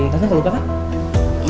tante gak lupa tante